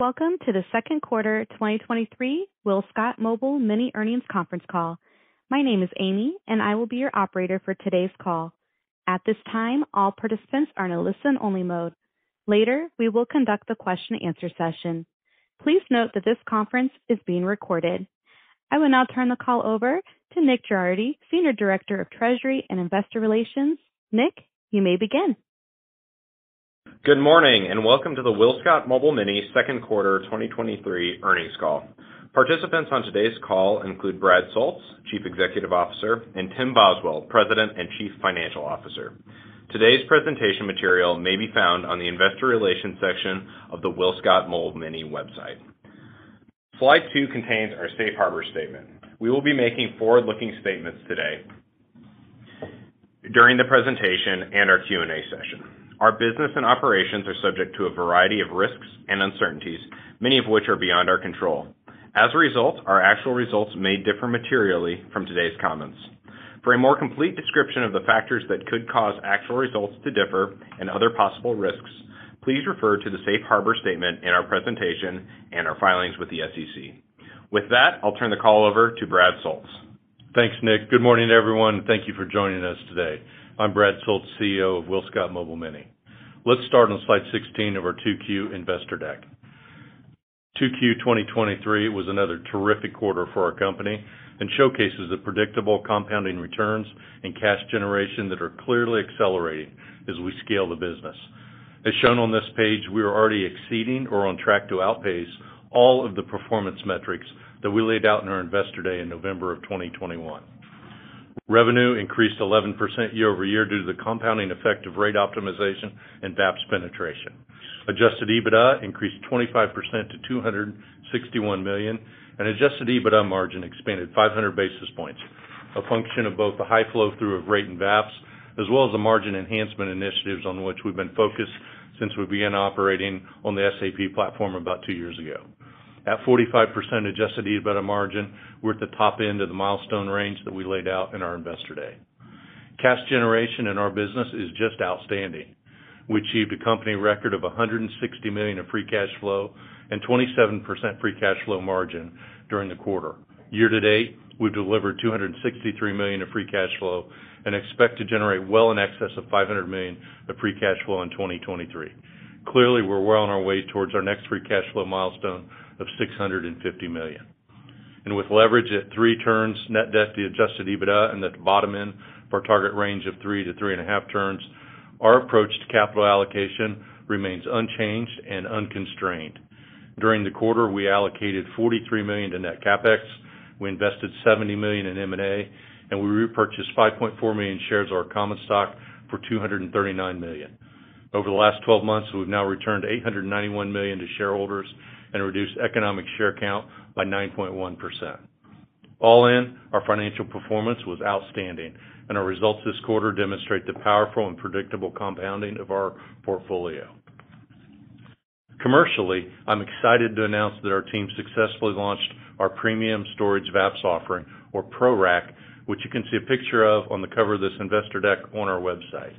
Welcome to the Q2 2023 WillScot Mobile Mini earnings conference call. My name is Amy, and I will be your operator for today's call. At this time, all participants are in a listen-only mode. Later, we will conduct the question-and-answer session. Please note that this conference is being recorded. I will now turn the call over to Nick Girardi, Senior Director of Treasury and Investor Relations. Nick, you may begin. Good morning, welcome to the WillScot Mobile Mini Q2 2023 earnings call. Participants on today's call include Brad Soultz, Chief Executive Officer, and Tim Boswell, President and Chief Financial Officer. Today's presentation material may be found on the Investor Relations section of the WillScot Mobile Mini website. Slide 2 contains our safe harbor statement. We will be making forward-looking statements today during the presentation and our Q&A session. Our business and operations are subject to a variety of risks and uncertainties, many of which are beyond our control. As a result, our actual results may differ materially from today's comments. For a more complete description of the factors that could cause actual results to differ and other possible risks, please refer to the safe harbor statement in our presentation and our filings with the SEC. With that, I'll turn the call over to Brad Soultz. Thanks, Nick. Good morning, everyone. Thank you for joining us today. I'm Brad Soultz, CEO of WillScot Mobile Mini. Let's start on Slide 16 of our 2Q investor deck. 2Q 2023 was another terrific quarter for our company and showcases the predictable compounding returns and cash generation that are clearly accelerating as we scale the business. As shown on this page, we are already exceeding or on track to outpace all of the performance metrics that we laid out in our Investor Day in November of 2021. Revenue increased 11% year-over-year due to the compounding effect of rate optimization and VAPS penetration. Adjusted EBITDA increased 25% to $261 million. Adjusted EBITDA margin expanded 500 basis points, a function of both the high flow through of rate and VAPS, as well as the margin enhancement initiatives on which we've been focused since we began operating on the SAP platform about 2 years ago. At 45% Adjusted EBITDA margin, we're at the top end of the milestone range that we laid out in our Investor Day. Cash generation in our business is just outstanding. We achieved a company record of $160 million of Free Cash Flow and 27% Free Cash Flow margin during the quarter. Year to date, we've delivered $263 million of Free Cash Flow and expect to generate well in excess of $500 million of Free Cash Flow in 2023. Clearly, we're well on our way towards our next Free Cash Flow milestone of $650 million. With leverage at 3 turns, net debt to Adjusted EBITDA, and at the bottom end of our target range of 3-3.5 turns, our approach to capital allocation remains unchanged and unconstrained. During the quarter, we allocated $43 million to net CapEx, we invested $70 million in M&A, and we repurchased 5.4 million shares of our common stock for $239 million. Over the last 12 months, we've now returned $891 million to shareholders and reduced economic share count by 9.1%. All in, our financial performance was outstanding, our results this quarter demonstrate the powerful and predictable compounding of our portfolio. Commercially, I'm excited to announce that our team successfully launched our premium storage VAPS offering, or PRORACK, which you can see a picture of on the cover of this investor deck on our website.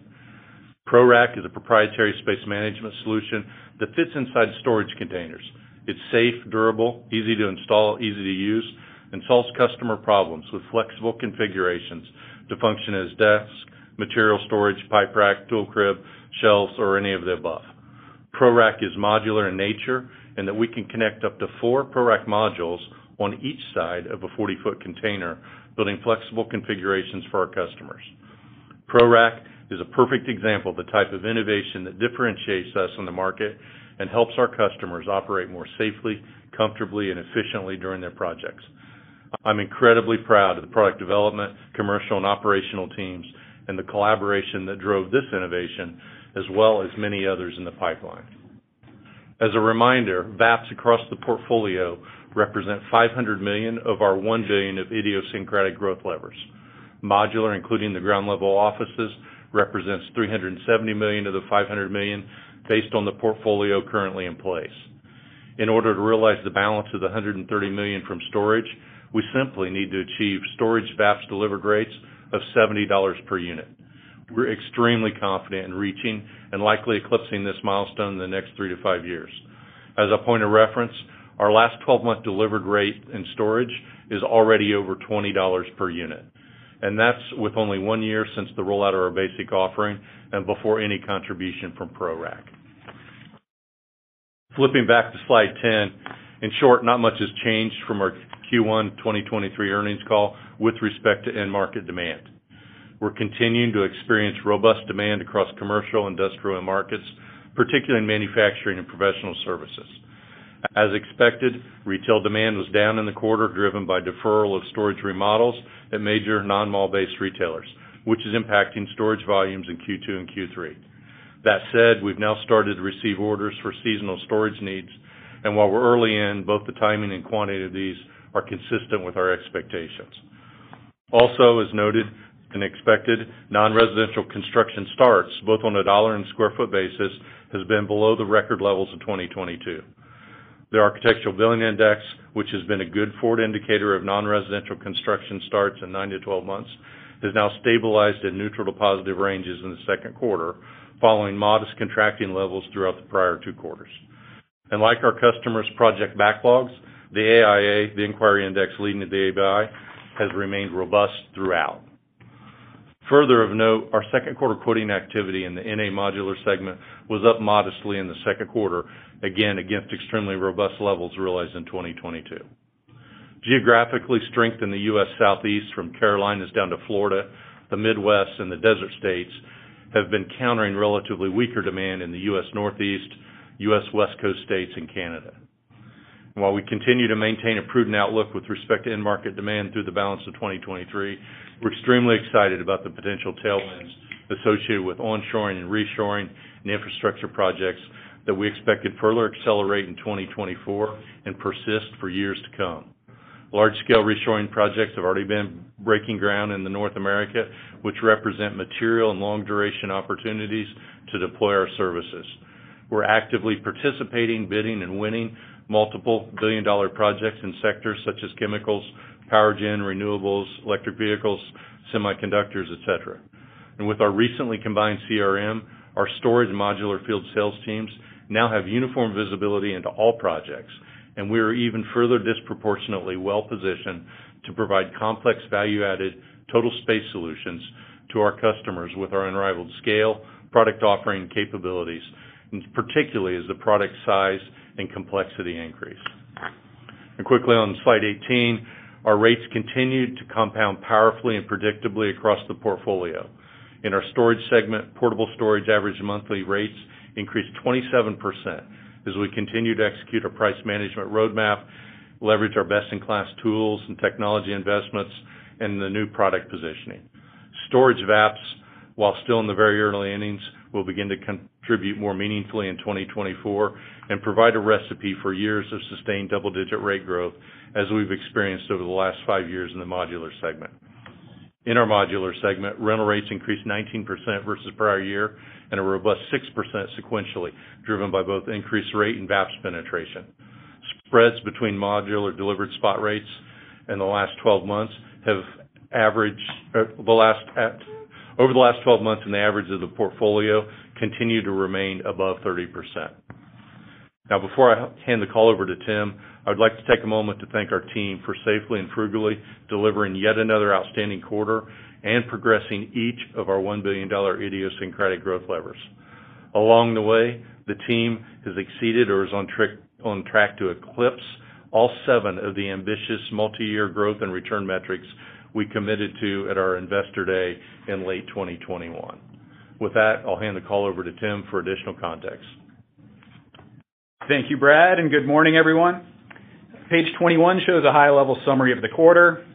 PRORACK is a proprietary space management solution that fits inside storage containers. It's safe, durable, easy to install, easy to use, and solves customer problems with flexible configurations to function as desks, material storage, pipe rack, tool crib, shelves, or any of the above. PRORACK is modular in nature, and that we can connect up to four PRORACK modules on each side of a 40-foot container, building flexible configurations for our customers. PRORACK is a perfect example of the type of innovation that differentiates us in the market and helps our customers operate more safely, comfortably, and efficiently during their projects. I'm incredibly proud of the product development, commercial, and operational teams and the collaboration that drove this innovation, as well as many others in the pipeline. As a reminder, VAPS across the portfolio represent $500 million of our $1 billion of idiosyncratic growth levers. Modular, including the Ground Level Offices, represents $370 million of the $500 million based on the portfolio currently in place. In order to realize the balance of the $130 million from storage, we simply need to achieve storage VAPS delivery rates of $70 per unit. We're extremely confident in reaching and likely eclipsing this milestone in the next 3 to 5 years. As a point of reference, our last 12-month delivered rate in storage is already over $20 per unit, and that's with only 1 year since the rollout of our basic offering and before any contribution from PRORACK. Flipping back to Slide 10. In short, not much has changed from our Q1 2023 earnings call with respect to end market demand. We're continuing to experience robust demand across commercial, industrial, and markets, particularly in manufacturing and professional services. As expected, retail demand was down in the quarter, driven by deferral of storage remodels at major non-mall-based retailers, which is impacting storage volumes in Q2 and Q3. That said, we've now started to receive orders for seasonal storage needs, and while we're early in, both the timing and quantity of these are consistent with our expectations. Also, as noted and expected, non-residential construction starts, both on a dollar and sq ft basis, has been below the record levels of 2022. The Architecture Billings Index, which has been a good forward indicator of non-residential construction starts in 9 to 12 months, has now stabilized at neutral to positive ranges in the Q2, following modest contracting levels throughout the prior 2 quarters. Like our customers' project backlogs, the AIA, the Inquiry Index leading to the ABI, has remained robust throughout. Further of note, our Q2 quoting activity in the NA Modular segment was up modestly in the Q2, again, against extremely robust levels realized in 2022. Geographically, strength in the US Southeast, from Carolinas down to Florida, the Midwest, and the desert states, have been countering relatively weaker demand in the US Northeast, US West Coast states, and Canada. While we continue to maintain a prudent outlook with respect to end market demand through the balance of 2023, we're extremely excited about the potential tailwinds associated with onshoring and reshoring, and the infrastructure projects that we expect to further accelerate in 2024 and persist for years to come. Large-scale reshoring projects have already been breaking ground in the North America, which represent material and long-duration opportunities to deploy our services. We're actively participating, bidding, and winning multiple billion-dollar projects in sectors such as chemicals, power gen, renewables, electric vehicles, semiconductors, et cetera. With our recently combined CRM, our storage modular field sales teams now have uniform visibility into all projects, and we are even further disproportionately well-positioned to provide complex, value-added, total space solutions to our customers with our unrivaled scale, product offering, and capabilities, and particularly as the product size and complexity increase. Quickly on Slide 18, our rates continued to compound powerfully and predictably across the portfolio. In our storage segment, portable storage average monthly rates increased 27% as we continued to execute our price management roadmap, leverage our best-in-class tools and technology investments, and the new product positioning. Storage VAPS, while still in the very early innings, will begin to contribute more meaningfully in 2024 and provide a recipe for years of sustained double-digit rate growth, as we've experienced over the last 5 years in the modular segment. In our modular segment, rental rates increased 19% versus prior year and a robust 6% sequentially, driven by both increased rate and VAPS penetration. Spreads between modular delivered spot rates in the last 12 months have averaged over the last 12 months and the average of the portfolio continue to remain above 30%. Now, before I hand the call over to Tim, I would like to take a moment to thank our team for safely and frugally delivering yet another outstanding quarter and progressing each of our one billion dollar idiosyncratic growth levers. Along the way, the team has exceeded or is on track to eclipse all seven of the ambitious multiyear growth and return metrics we committed to at our Investor Day in late 2021. With that, I'll hand the call over to Tim for additional context. Thank you, Brad. Good morning, everyone. Page 21 shows a high-level summary of the quarter.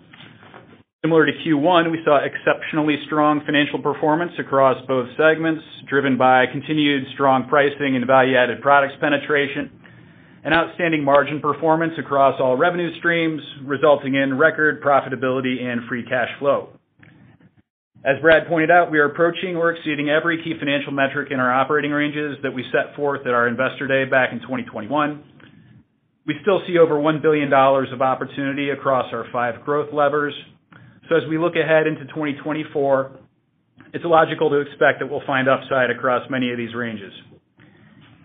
Similar to Q1, we saw exceptionally strong financial performance across both segments, driven by continued strong pricing and value-added products penetration and outstanding margin performance across all revenue streams, resulting in record profitability and Free Cash Flow. As Brad pointed out, we are approaching or exceeding every key financial metric in our operating ranges that we set forth at our Investor Day back in 2021. We still see over $1 billion of opportunity across our five growth levers. As we look ahead into 2024, it's logical to expect that we'll find upside across many of these ranges.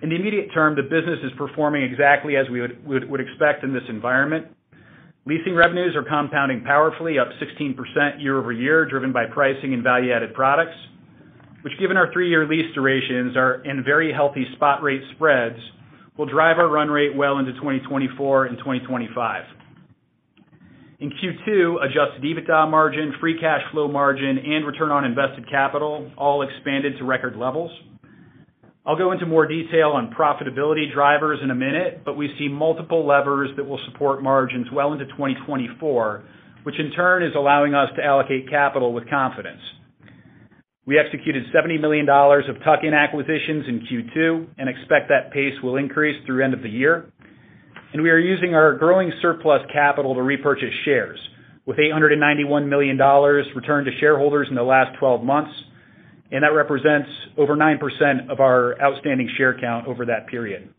In the immediate term, the business is performing exactly as we would expect in this environment. Leasing revenues are compounding powerfully, up 16% year-over-year, driven by pricing and value-added products, which, given our 3-year lease durations, are in very healthy spot rate spreads, will drive our run rate well into 2024 and 2025. In Q2, Adjusted EBITDA margin, Free Cash Flow margin, and Return on Invested Capital all expanded to record levels. I'll go into more detail on profitability drivers in a minute, but we see multiple levers that will support margins well into 2024, which in turn is allowing us to allocate capital with confidence. We executed $70 million of tuck-in acquisitions in Q2 and expect that pace will increase through end of the year. We are using our growing surplus capital to repurchase shares, with $891 million returned to shareholders in the last 12 months, and that represents over 9% of our outstanding share count over that period.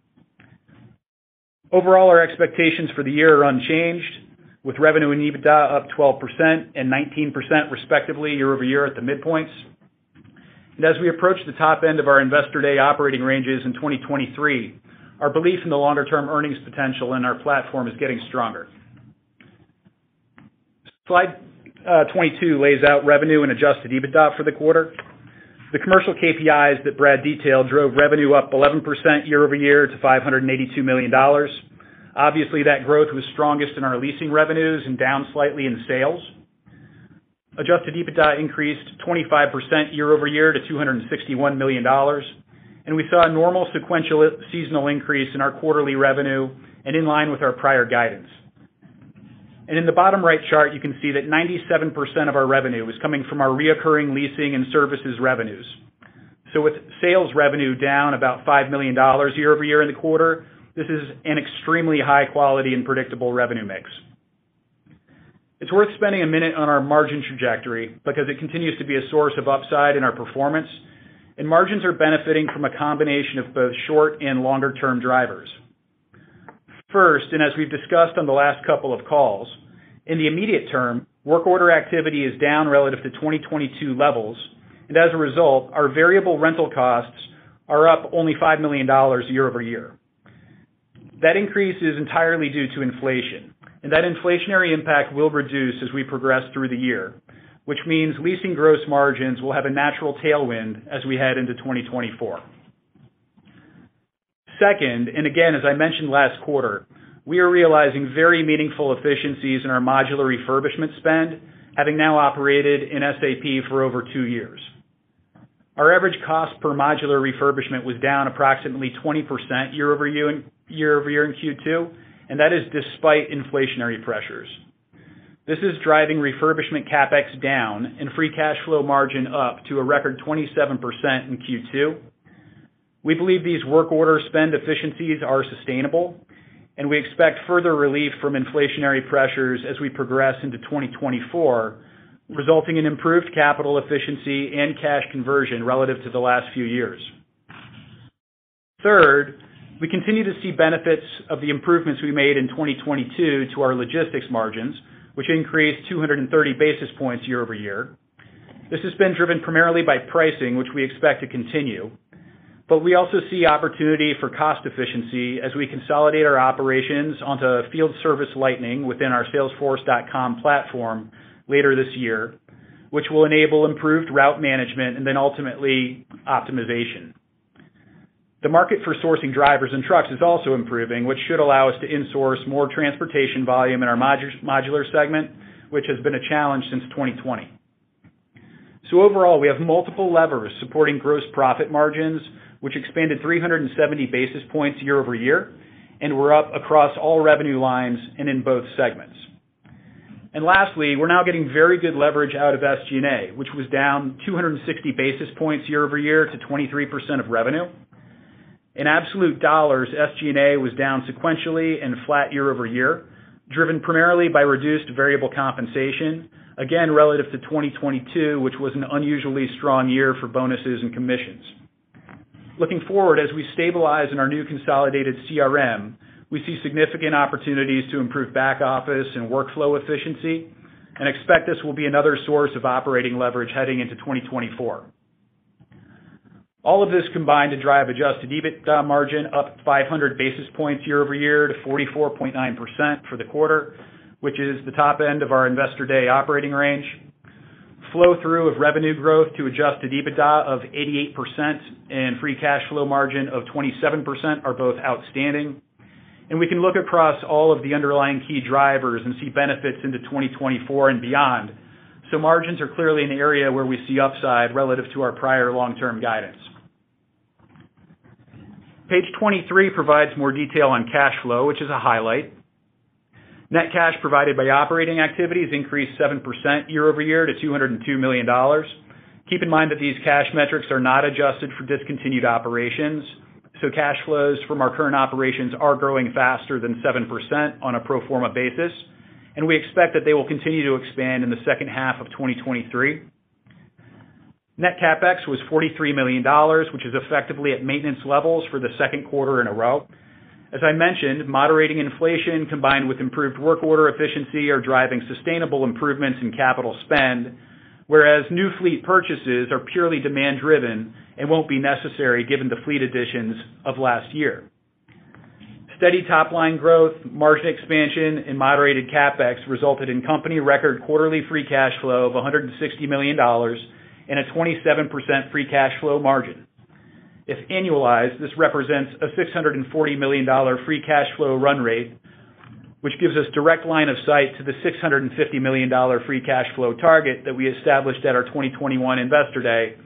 Overall, our expectations for the year are unchanged, with revenue and EBITDA up 12% and 19% respectively year-over-year at the midpoints. As we approach the top end of our Investor Day operating ranges in 2023, our belief in the longer-term earnings potential in our platform is getting stronger. Slide 22 lays out revenue and Adjusted EBITDA for the quarter. The commercial KPIs that Brad detailed drove revenue up 11% year-over-year to $582 million. Obviously, that growth was strongest in our leasing revenues and down slightly in sales. Adjusted EBITDA increased 25% year-over-year to $261 million, we saw a normal sequential seasonal increase in our quarterly revenue and in line with our prior guidance. In the bottom right chart, you can see that 97% of our revenue was coming from our recurring leasing and services revenues. With sales revenue down about $5 million year-over-year in the quarter, this is an extremely high quality and predictable revenue mix. It's worth spending a minute on our margin trajectory because it continues to be a source of upside in our performance, and margins are benefiting from a combination of both short- and longer-term drivers.... First, as we've discussed on the last couple of calls, in the immediate term, work order activity is down relative to 2022 levels, as a result, our variable rental costs are up only $5 million year-over-year. That increase is entirely due to inflation, that inflationary impact will reduce as we progress through the year, which means leasing gross margins will have a natural tailwind as we head into 2024. Second, again, as I mentioned last quarter, we are realizing very meaningful efficiencies in our modular refurbishment spend, having now operated in SAP for over two years. Our average cost per modular refurbishment was down approximately 20% year-over-year, year-over-year in Q2, that is despite inflationary pressures. This is driving refurbishment CapEx down and Free Cash Flow margin up to a record 27% in Q2. We believe these work order spend efficiencies are sustainable, and we expect further relief from inflationary pressures as we progress into 2024, resulting in improved capital efficiency and cash conversion relative to the last few years. Third, we continue to see benefits of the improvements we made in 2022 to our logistics margins, which increased 230 basis points year-over-year. This has been driven primarily by pricing, which we expect to continue, but we also see opportunity for cost efficiency as we consolidate our operations onto Field Service Lightning within our Salesforce.com platform later this year, which will enable improved route management and then ultimately, optimization. The market for sourcing drivers and trucks is also improving, which should allow us to insource more transportation volume in our modular, modular segment, which has been a challenge since 2020. Overall, we have multiple levers supporting gross profit margins, which expanded 370 basis points year over year, and we're up across all revenue lines and in both segments. Lastly, we're now getting very good leverage out of SG&A, which was down 260 basis points year over year to 23% of revenue. In absolute dollars, SG&A was down sequentially and flat year over year, driven primarily by reduced variable compensation, again, relative to 2022, which was an unusually strong year for bonuses and commissions. Looking forward, as we stabilize in our new consolidated CRM, we see significant opportunities to improve back office and workflow efficiency and expect this will be another source of operating leverage heading into 2024. All of this combined to drive Adjusted EBITDA margin up 500 basis points year-over-year to 44.9% for the quarter, which is the top end of our Investor Day operating range. Flow through of revenue growth to Adjusted EBITDA of 88% and Free Cash Flow margin of 27% are both outstanding, we can look across all of the underlying key drivers and see benefits into 2024 and beyond. Margins are clearly an area where we see upside relative to our prior long-term guidance. Page 23 provides more detail on cash flow, which is a highlight. Net cash provided by operating activities increased 7% year-over-year to $202 million. Keep in mind that these cash metrics are not adjusted for discontinued operations. Cash flows from our current operations are growing faster than 7% on a pro forma basis, and we expect that they will continue to expand in the second half of 2023. Net CapEx was $43 million, which is effectively at maintenance levels for the Q2 in a row. As I mentioned, moderating inflation combined with improved work order efficiency, are driving sustainable improvements in capital spend. New fleet purchases are purely demand driven and won't be necessary given the fleet additions of last year. Steady top line growth, margin expansion and moderated CapEx resulted in company record quarterly Free Cash Flow of $160 million and a 27% Free Cash Flow margin. If annualized, this represents a $640 million Free Cash Flow run rate, which gives us direct line of sight to the $650 million Free Cash Flow target that we established at our 2021 Investor Day.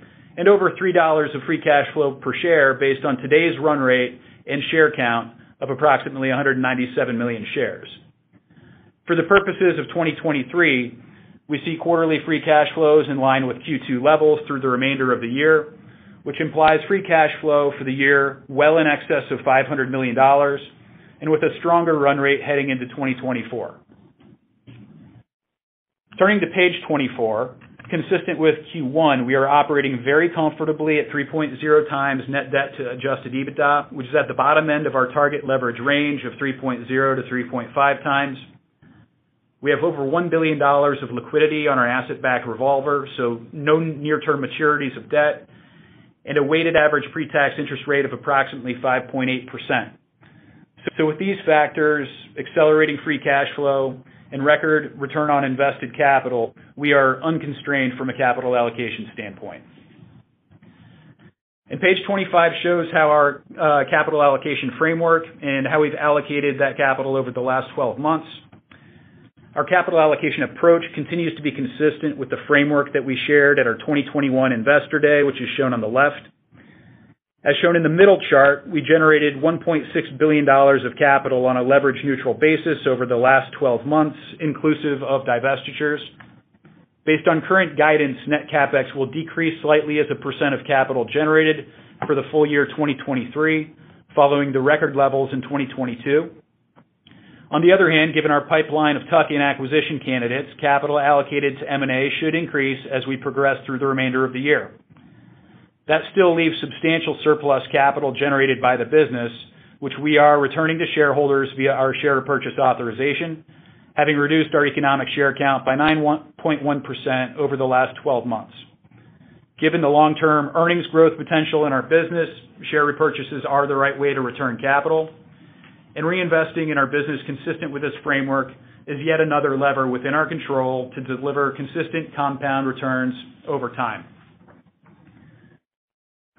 Over $3 of Free Cash Flow per share based on today's run rate and share count of approximately 197 million shares. For the purposes of 2023, we see quarterly Free Cash Flows in line with Q2 levels through the remainder of the year, which implies Free Cash Flow for the year, well in excess of $500 million. With a stronger run rate heading into 2024. Turning to page 24, consistent with Q1, we are operating very comfortably at 3.0 times net debt to Adjusted EBITDA, which is at the bottom end of our target leverage range of 3.0-3.5 times. We have over $1 billion of liquidity on our asset-backed revolver, so no near-term maturities of debt and a weighted average pre-tax interest rate of approximately 5.8%. With these factors, accelerating Free Cash Flow and record Return on Invested Capital, we are unconstrained from a capital allocation standpoint. Page 25 shows how our capital allocation framework and how we've allocated that capital over the last 12 months. Our capital allocation approach continues to be consistent with the framework that we shared at our 2021 Investor Day, which is shown on the left. As shown in the middle chart, we generated $1.6 billion of capital on a leverage neutral basis over the last 12 months, inclusive of divestitures. Based on current guidance, net CapEx will decrease slightly as a % of capital generated for the full year 2023, following the record levels in 2022. On the other hand, given our pipeline of tuck-in acquisition candidates, capital allocated to M&A should increase as we progress through the remainder of the year. That still leaves substantial surplus capital generated by the business, which we are returning to shareholders via our share purchase authorization, having reduced our economic share count by 9.1% over the last 12 months. Given the long-term earnings growth potential in our business, share repurchases are the right way to return capital, and reinvesting in our business consistent with this framework is yet another lever within our control to deliver consistent compound returns over time.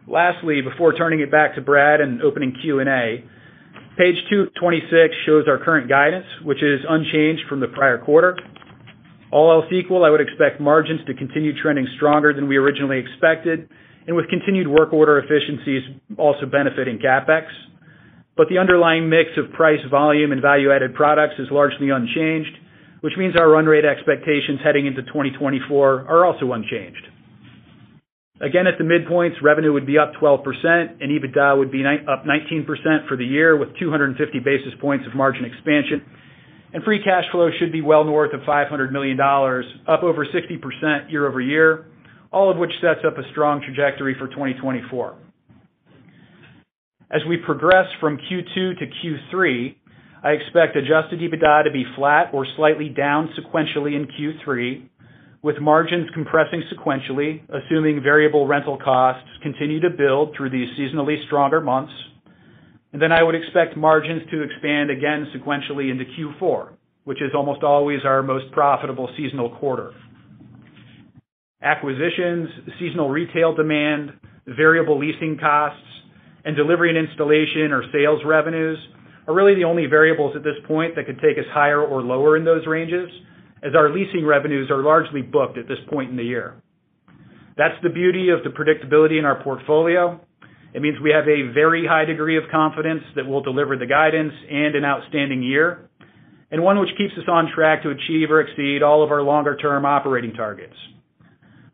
Lastly, before turning it back to Brad and opening Q&A, page 226 shows our current guidance, which is unchanged from the prior quarter. All else equal, I would expect margins to continue trending stronger than we originally expected, and with continued work order efficiencies also benefiting CapEx. The underlying mix of price, volume, and value-added products is largely unchanged, which means our run rate expectations heading into 2024 are also unchanged. Again, at the midpoints, revenue would be up 12% and EBITDA would be up 19% for the year, with 250 basis points of margin expansion. Free Cash Flow should be well north of $500 million, up over 60% year-over-year, all of which sets up a strong trajectory for 2024. As we progress from Q2 to Q3, I expect Adjusted EBITDA to be flat or slightly down sequentially in Q3, with margins compressing sequentially, assuming variable rental costs continue to build through these seasonally stronger months. I would expect margins to expand again sequentially into Q4, which is almost always our most profitable seasonal quarter. Acquisitions, seasonal retail demand, variable leasing costs, and delivery and installation or sales revenues are really the only variables at this point that could take us higher or lower in those ranges, as our leasing revenues are largely booked at this point in the year. That's the beauty of the predictability in our portfolio. It means we have a very high degree of confidence that we'll deliver the guidance and an outstanding year, and one which keeps us on track to achieve or exceed all of our longer-term operating targets.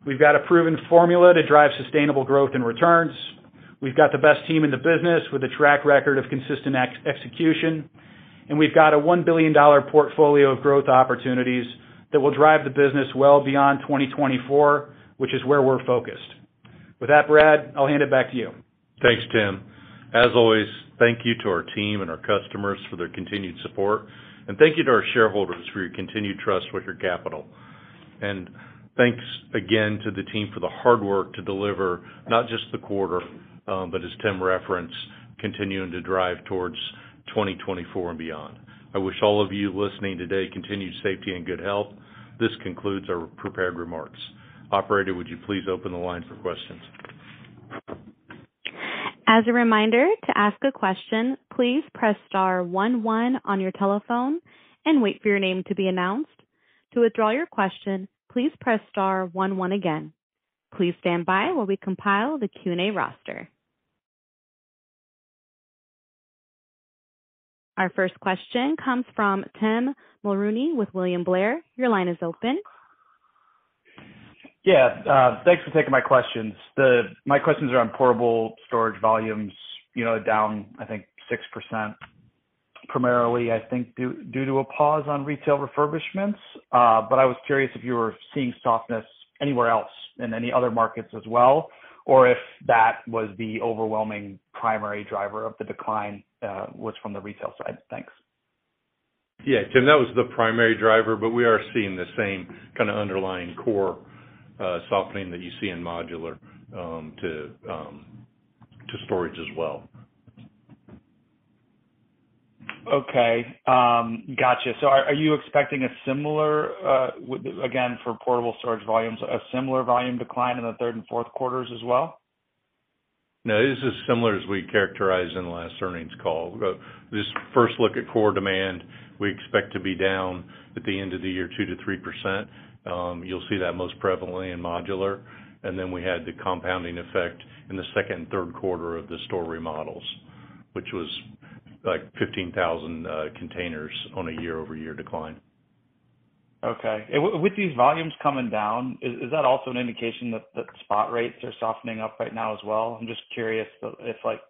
We've got a proven formula to drive sustainable growth and returns. We've got the best team in the business with a track record of consistent execution, and we've got a $1 billion portfolio of growth opportunities that will drive the business well beyond 2024, which is where we're focused. With that, Brad, I'll hand it back to you. Thanks, Tim. As always, thank you to our team and our customers for their continued support. Thank you to our shareholders for your continued trust with your capital. Thanks again to the team for the hard work to deliver not just the quarter, but as Tim referenced, continuing to drive towards 2024 and beyond. I wish all of you listening today continued safety and good health. This concludes our prepared remarks. Operator, would you please open the line for questions? As a reminder, to ask a question, please press star one one on your telephone and wait for your name to be announced. To withdraw your question, please press star one one again. Please stand by while we compile the Q&A roster. Our first question comes from Tim Mulrooney with William Blair. Your line is open. Yeah, thanks for taking my questions. My questions are on portable storage volumes, you know, down, I think, 6%, primarily, I think, due to a pause on retail refurbishments. I was curious if you were seeing softness anywhere else in any other markets as well, or if that was the overwhelming primary driver of the decline, was from the retail side? Thanks. Tim, that was the primary driver, but we are seeing the same kind of underlying core softening that you see in modular to storage as well. Okay. Gotcha. Are you expecting a similar, again, for portable storage volumes, a similar volume decline in the third and Q4s as well? No, this is similar as we characterized in the last earnings call. This first look at core demand, we expect to be down at the end of the year, 2%-3%. You'll see that most prevalently in modular. Then we had the compounding effect in the second and Q3 of the store remodels, which was like 15,000 containers on a year-over-year decline. Okay. With these volumes coming down, is, is that also an indication that, that spot rates are softening up right now as well? I'm just curious if like,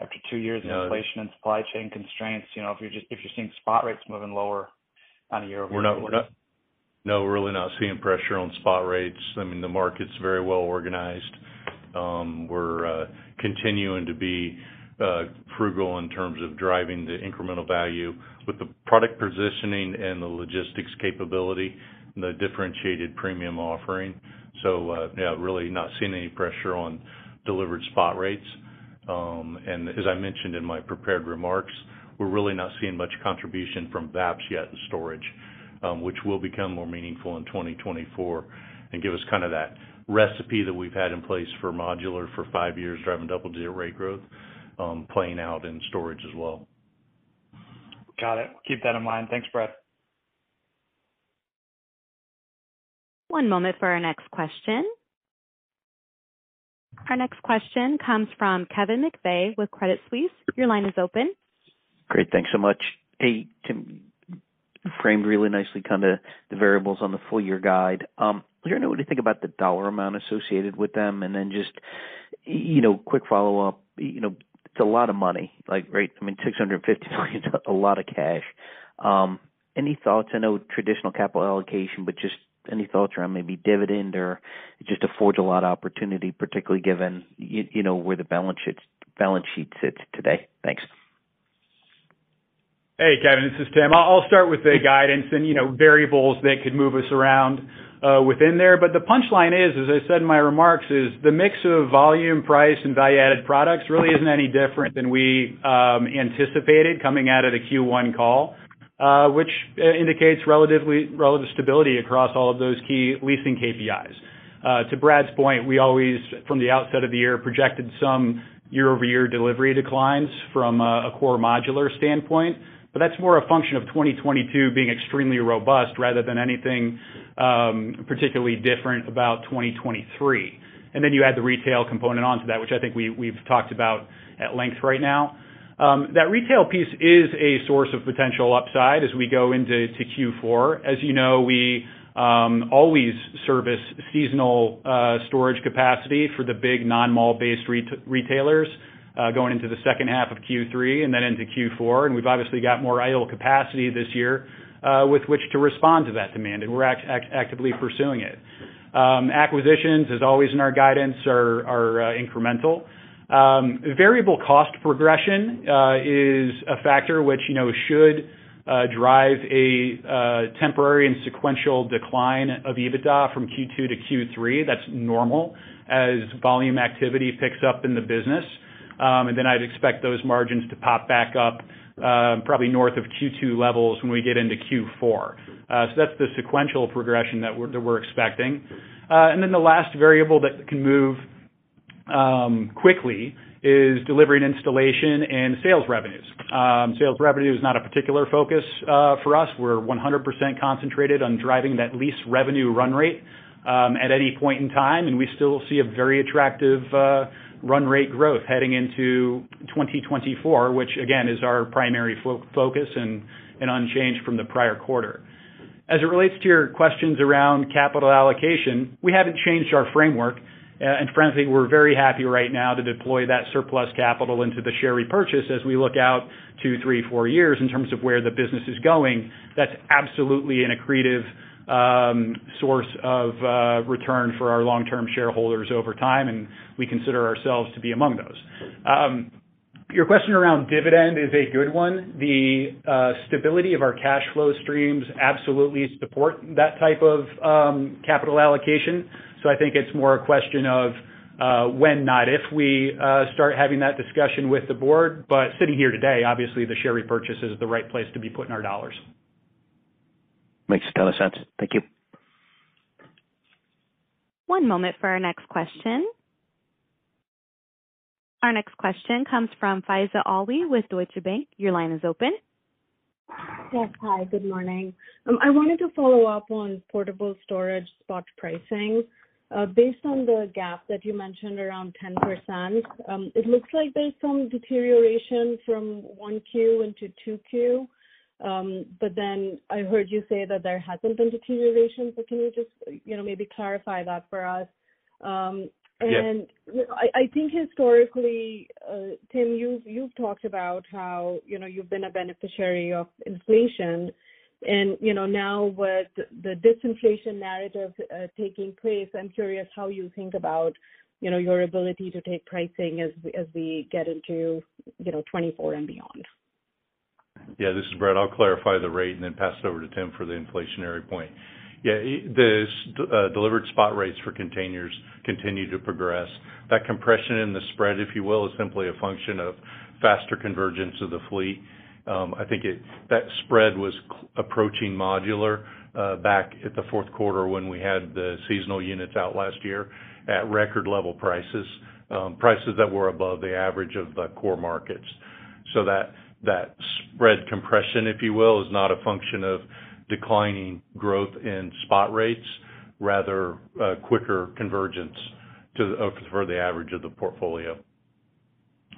after two years of inflation. Yeah Supply chain constraints, you know, if you're seeing spot rates moving lower on a year-over-year- We're not, we're not... No, we're really not seeing pressure on spot rates. I mean, the market's very well organized. We're continuing to be frugal in terms of driving the incremental value with the product positioning and the logistics capability and the differentiated premium offering. Yeah, really not seeing any pressure on delivered spot rates. As I mentioned in my prepared remarks, we're really not seeing much contribution from VAPS yet in storage, which will become more meaningful in 2024 and give us kind of that recipe that we've had in place for modular for 5 years, driving double-digit rate growth, playing out in storage as well. Got it. Keep that in mind. Thanks, Brad. One moment for our next question. Our next question comes from Kevin McVeigh with Credit Suisse. Your line is open. Great. Thanks so much. Hey, Tim, you framed really nicely kind of the variables on the full year guide. I don't know what you think about the dollar amount associated with them. Then just, you know, quick follow-up, you know, it's a lot of money, like, right? I mean, $650 million, a lot of cash. Any thoughts? I know traditional capital allocation, but just any thoughts around maybe dividend or just to forge a lot of opportunity, particularly given you know, where the balance sheet, balance sheet sits today? Thanks. Hey, Kevin, this is Tim. I'll, I'll start with the guidance and, you know, variables that could move us around within there. The punchline is, as I said in my remarks, is the mix of volume, price, and value-added products really isn't any different than we anticipated coming out of the Q1 call. Which indicates relatively, relative stability across all of those key leasing KPIs. To Brad's point, we always, from the outset of the year, projected some year-over-year delivery declines from a, a core modular standpoint. That's more a function of 2022 being extremely robust, rather than anything particularly different about 2023. Then you add the retail component onto that, which I think we, we've talked about at length right now. That retail piece is a source of potential upside as we go into to Q4. As you know, we always service seasonal storage capacity for the big non-mall-based retailers going into the second half of Q3 and then into Q4. We've obviously got more idle capacity this year with which to respond to that demand, and we're actively pursuing it. Acquisitions, as always in our guidance, are incremental. Variable cost progression is a factor which, you know, should drive a temporary and sequential decline of EBITDA from Q2 to Q3. That's normal, as volume activity picks up in the business. I'd expect those margins to pop back up, probably north of Q2 levels when we get into Q4. That's the sequential progression that we're expecting. The last variable that can move quickly is delivery and installation and sales revenues. Sales revenue is not a particular focus for us. We're 100% concentrated on driving that lease revenue run rate at any point in time. We still see a very attractive run rate growth heading into 2024, which, again, is our primary focus and unchanged from the prior quarter. As it relates to your questions around capital allocation, we haven't changed our framework. Frankly, we're very happy right now to deploy that surplus capital into the share repurchase as we look out two, three, four years in terms of where the business is going. That's absolutely an accretive source of return for our long-term shareholders over time. We consider ourselves to be among those. Your question around dividend is a good one. The stability of our cash flow streams absolutely support that type of capital allocation. I think it's more a question of when, not if, we start having that discussion with the board. Sitting here today, obviously, the share repurchase is the right place to be putting our dollars. Makes a ton of sense. Thank you. One moment for our next question. Our next question comes from Faiza Alwy with Deutsche Bank. Your line is open. Yes. Hi, good morning. I wanted to follow up on portable storage spot pricing. Based on the gap that you mentioned, around 10%, it looks like there's some deterioration from 1Q into 2Q. I heard you say that there hasn't been deterioration. Can you just, you know, maybe clarify that for us? Yes. I, I think historically, Tim, you've, you've talked about how, you know, you've been a beneficiary of inflation. You know, now with the disinflation narrative, taking place, I'm curious how you think about, you know, your ability to take pricing as we, as we get into, you know, 2024 and beyond? Yeah, this is Brad. I'll clarify the rate and then pass it over to Tim for the inflationary point. Yeah, the delivered spot rates for containers continue to progress. That compression in the spread, if you will, is simply a function of faster convergence of the fleet. I think that spread was approaching modular back at the Q4 when we had the seasonal units out last year at record level prices. Prices that were above the average of the core markets. That, that spread compression, if you will, is not a function of declining growth in spot rates, rather, quicker convergence to the, for the average of the portfolio.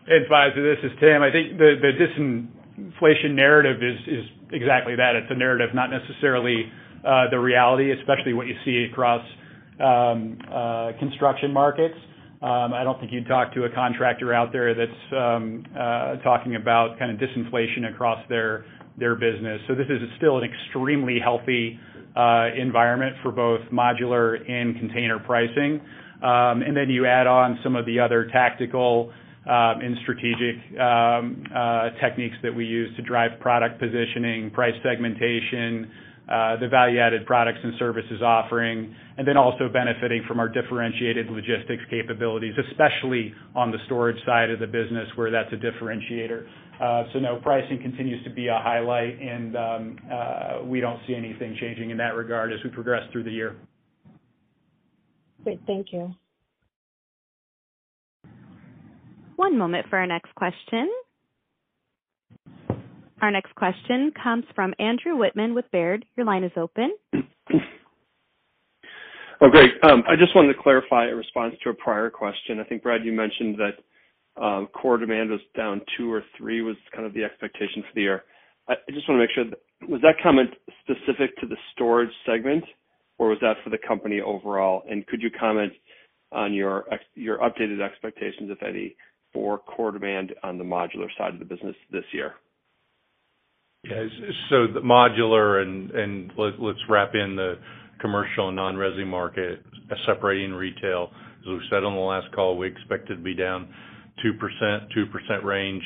Hey, Faiza, this is Tim. I think the, the disinflation narrative is, is exactly that. It's a narrative, not necessarily the reality, especially what you see across construction markets. I don't think you'd talk to a contractor out there that's talking about kind of disinflation across their business. This is still an extremely healthy environment for both modular and container pricing. Then you add on some of the other tactical and strategic techniques that we use to drive product positioning, price segmentation, the value-added products and services offering, and then also benefiting from our differentiated logistics capabilities, especially on the storage side of the business, where that's a differentiator. No, pricing continues to be a highlight, and we don't see anything changing in that regard as we progress through the year. Great. Thank you. One moment for our next question. Our next question comes from Andrew Wittmann with Baird. Your line is open. Oh, great. I just wanted to clarify a response to a prior question. I think, Brad, you mentioned that core demand was down 2% or 3%, was kind of the expectation for the year. I just wanna make sure, was that comment specific to the storage segment, or was that for the company overall? Could you comment on your updated expectations, if any, for core demand on the modular side of the business this year? Yeah, so the modular and, and let, let's wrap in the commercial and non-resi market, separating retail. As we've said on the last call, we expect it to be down 2%, 2% range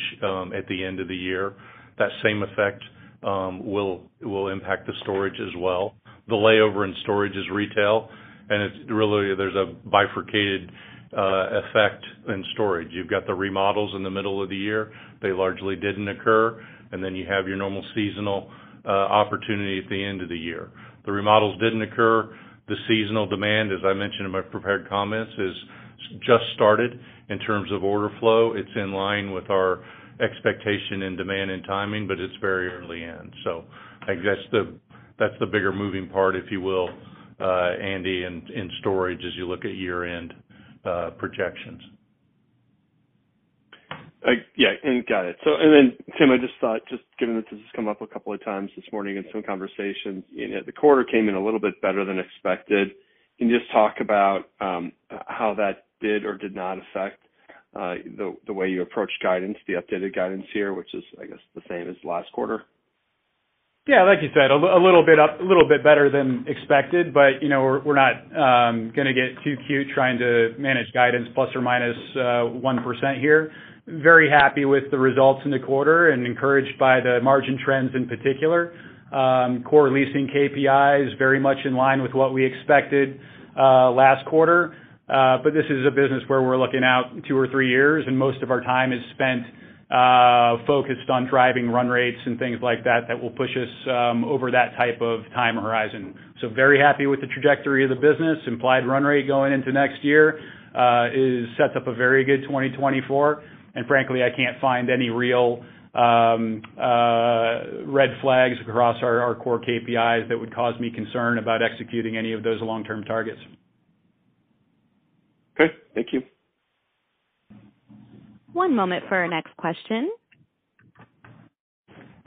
at the end of the year. That same effect will, will impact the storage as well. The layover in storage is retail, and it's really, there's a bifurcated effect in storage. You've got the remodels in the middle of the year, they largely didn't occur, and then you have your normal seasonal opportunity at the end of the year. The remodels didn't occur. The seasonal demand, as I mentioned in my prepared comments, is just started in terms of order flow. It's in line with our expectation and demand and timing, but it's very early in. I guess that's the bigger moving part, if you will, Andy, in, in storage, as you look at year-end projections. Yeah, got it. Then, Tim, I just thought, just given that this has come up a couple of times this morning in some conversations, you know, the quarter came in a little bit better than expected. Can you just talk about how that did or did not affect the way you approach guidance, the updated guidance here, which is, I guess, the same as last quarter? Yeah, like you said, a little bit up, a little bit better than expected, you know, we're, we're not, gonna get too cute trying to manage guidance plus or minus 1% here. Very happy with the results in the quarter and encouraged by the margin trends in particular. Core leasing KPI is very much in line with what we expected, last quarter. This is a business where we're looking out two or three years, and most of our time is spent focused on driving run rates and things like that, that will push us over that type of time horizon. Very happy with the trajectory of the business. Implied run rate going into next year, is set up a very good 2024, frankly, I can't find any real red flags across our core KPIs that would cause me concern about executing any of those long-term targets. Okay, thank you. One moment for our next question.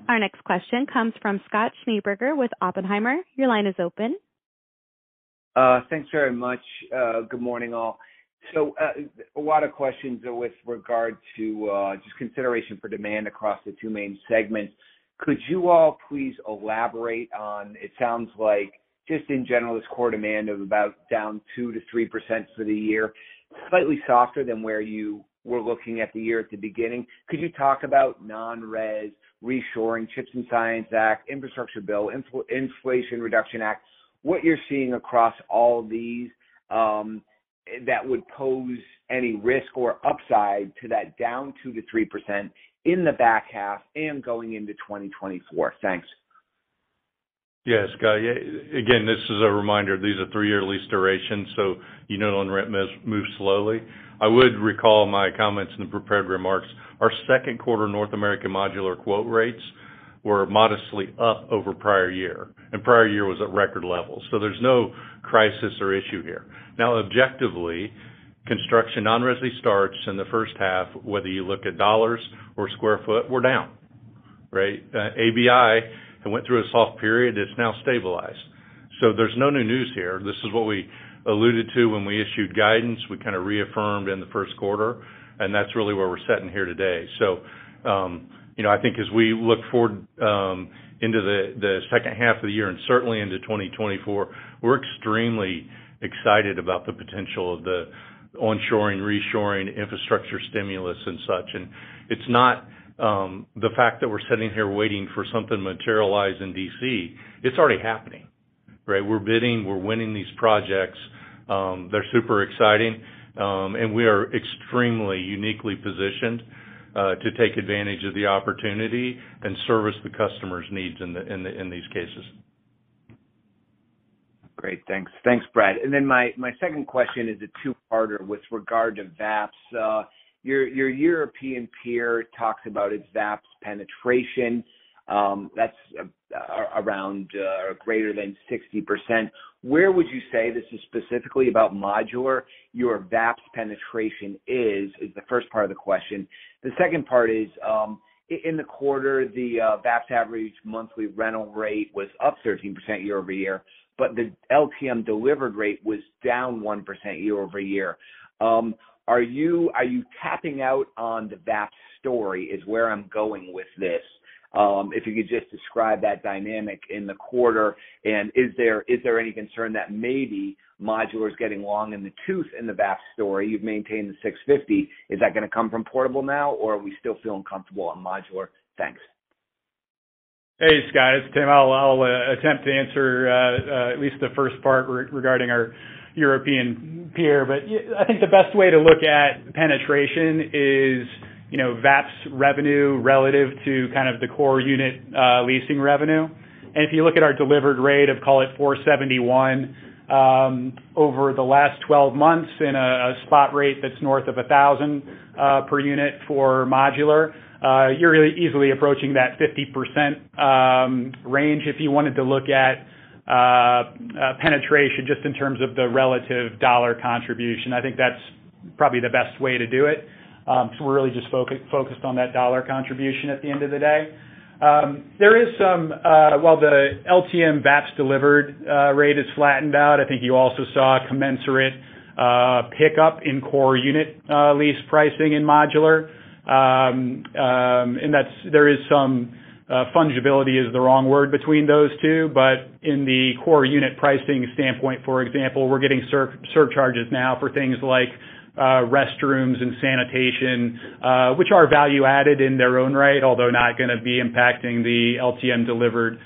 Our next question comes from Scott Schneeberger with Oppenheimer. Your line is open. Thanks very much. Good morning, all. A lot of questions with regard to just consideration for demand across the two main segments. Could you all please elaborate on... It sounds like just in general, this core demand of about down 2%-3% for the year, slightly softer than where you were looking at the year at the beginning. Could you talk about non-res, reshoring, CHIPS and Science Act, Infrastructure Bill, Inflation Reduction Act, what you're seeing across all these that would pose any risk or upside to that down 2%-3% in the back half and going into 2024? Thanks. Yes, Scott. Yeah, again, this is a reminder, these are 3-year lease durations, so you know, the rent moves, move slowly. I would recall my comments in the prepared remarks. Our Q2 North American modular quote rates were modestly up over prior year. Prior year was at record levels. There's no crisis or issue here. Now, objectively, construction non-resi starts in the first half, whether you look at dollars or sq ft, we're down, right? ABI, it went through a soft period, it's now stabilized. There's no new news here. This is what we alluded to when we issued guidance. We kind of reaffirmed in the Q1. That's really where we're sitting here today. You know, I think as we look forward into the second half of the year and certainly into 2024, we're extremely excited about the potential of the onshoring, reshoring, infrastructure stimulus and such. It's not the fact that we're sitting here waiting for something to materialize in D.C. It's already happening, right? We're bidding, we're winning these projects. They're super exciting, and we are extremely uniquely positioned to take advantage of the opportunity and service the customer's needs in these cases. Great. Thanks. Thanks, Brad. My, my second question is a 2-parter with regard to VAPS. Your, your European peer talks about its VAPS penetration, that's around greater than 60%. Where would you say, this is specifically about modular, your VAPS penetration is, is the first part of the question. The second part is, in the quarter, the VAPS average monthly rental rate was up 13% year-over-year, but the LTM delivered rate was down 1% year-over-year. Are you, are you tapping out on the VAPS story, is where I'm going with this? If you could just describe that dynamic in the quarter, and is there, is there any concern that maybe modular is getting long in the tooth in the VAPS story? You've maintained the $650. Is that gonna come from portable now, or are we still feeling comfortable on modular? Thanks. Hey, Scott, it's Tim. I'll, I'll attempt to answer at least the first part regarding our European peer. I think the best way to look at penetration is, you know, VAPS revenue relative to kind of the core unit leasing revenue. If you look at our delivered rate of, call it $471, over the last 12 months, in a, a spot rate that's north of $1,000 per unit for modular, you're easily approaching that 50% range. If you wanted to look at penetration just in terms of the relative dollar contribution, I think that's probably the best way to do it. We're really just focused on that dollar contribution at the end of the day. There is some... While the LTM VAPS delivered rate has flattened out, I think you also saw a commensurate pickup in core unit lease pricing in modular. There is some fungibility is the wrong word between those two. But in the core unit pricing standpoint, for example, we're getting surcharges now for things like restrooms and sanitation, which are value-added in their own right, although not gonna be impacting the LTM delivered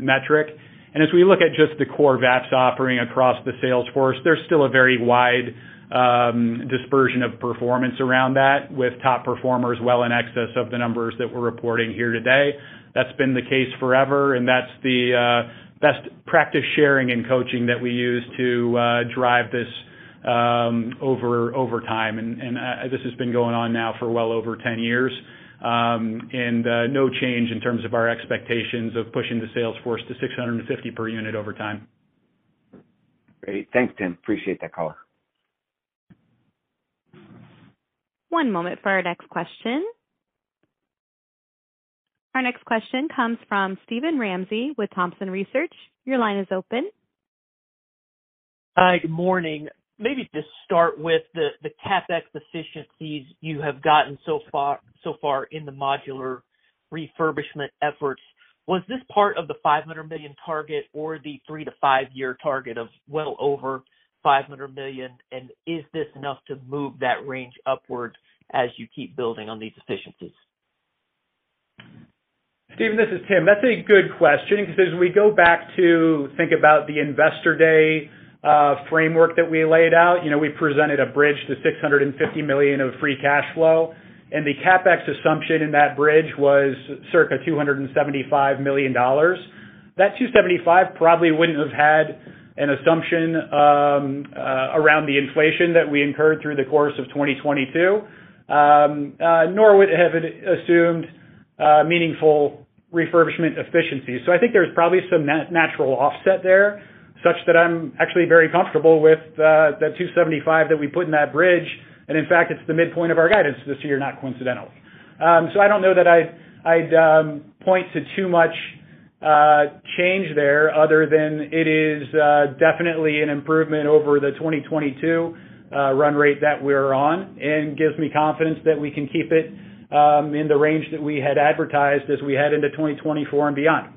metric. As we look at just the core VAPS offering across the sales force, there's still a very wide dispersion of performance around that, with top performers well in excess of the numbers that we're reporting here today. That's been the case forever, and that's the best practice sharing and coaching that we use to drive this over, over time. This has been going on now for well over 10 years. No change in terms of our expectations of pushing the sales force to $650 per unit over time. Great. Thanks, Tim. Appreciate that color. One moment for our next question. Our next question comes from Steven Ramsey with Thompson Research. Your line is open. Hi, good morning. Maybe just start with the CapEx efficiencies you have gotten so far in the modular refurbishment efforts. Was this part of the $500 million target or the 3-5 year target of well over $500 million? Is this enough to move that range upwards as you keep building on these efficiencies? Steven, this is Tim. That's a good question, because as we go back to think about the Investor Day framework that we laid out, you know, we presented a bridge to $650 million of Free Cash Flow, and the CapEx assumption in that bridge was circa $275 million. That $275 probably wouldn't have had an assumption around the inflation that we incurred through the course of 2022, nor would it have assumed meaningful refurbishment efficiencies. So I think there's probably some natural offset there, such that I'm actually very comfortable with the, the $275 that we put in that bridge. And in fact, it's the midpoint of our guidance this year, not coincidentally. I don't know that I'd, I'd point to too much change there, other than it is definitely an improvement over the 2022 run rate that we're on, and gives me confidence that we can keep it in the range that we had advertised as we head into 2024 and beyond.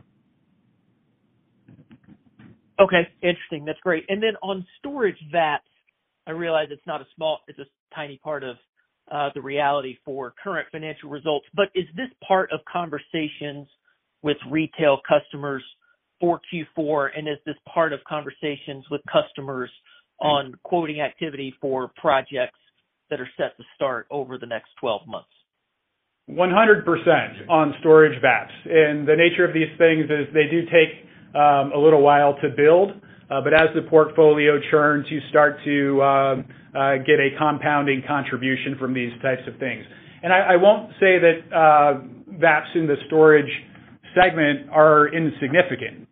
Okay, interesting. That's great. Then on storage VAPS, I realize it's not a small-- it's a tiny part of, the reality for current financial results, but is this part of conversations with retail customers for Q4, and is this part of conversations with customers on quoting activity for projects that are set to start over the next 12 months? 100% on storage VAPS. The nature of these things is they do take a little while to build, but as the portfolio churns, you start to get a compounding contribution from these types of things. I, I won't say that VAPS in the storage segment are insignificant.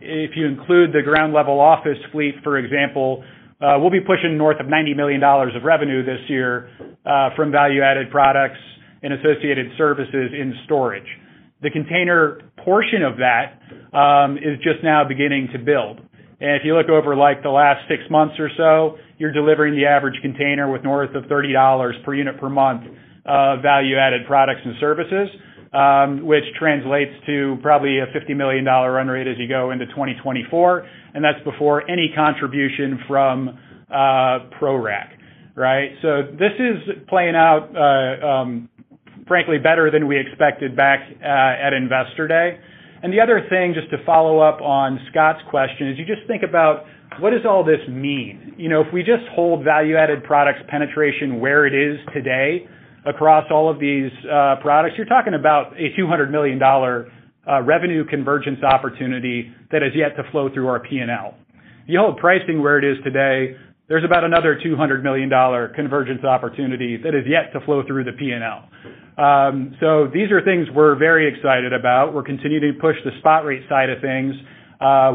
If you include the Ground Level Office fleet, for example, we'll be pushing north of $90 million of revenue this year from value-added products and associated services in storage. The container portion of that is just now beginning to build. If you look over, like, the last six months or so, you're delivering the average container with north of $30 per unit per month of value-added products and services, which translates to probably a $50 million run rate as you go into 2024, and that's before any contribution from PRORACK, right? This is playing out, frankly, better than we expected back at Investor Day. The other thing, just to follow up on Scott's question, is you just think about what does all this mean. You know, if we just hold value-added products penetration where it is today across all of these products, you're talking about a $200 million revenue convergence opportunity that has yet to flow through our P&L. You hold pricing where it is today, there's about another $200 million convergence opportunity that is yet to flow through the P&L. These are things we're very excited about. We're continuing to push the spot rate side of things.